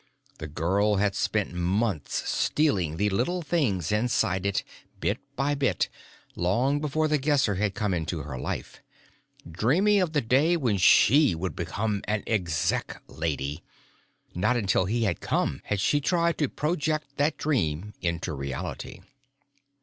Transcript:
The girl had spent months stealing the little things inside it, bit by bit, long before The Guesser had come into her life, dreaming of the day when she would become an Exec lady. Not until he had come had she tried to project that dream into reality.